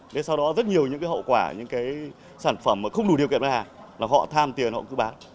nên sau đó rất nhiều những cái hậu quả những cái sản phẩm mà không đủ điều kiện pháp lý là họ tham tiền họ cứ bán